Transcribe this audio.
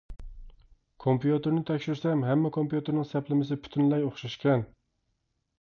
كومپيۇتېرنى تەكشۈرسەم ھەممە كومپيۇتېرنىڭ سەپلىمىسى پۈتۈنلەي ئوخشاشكەن.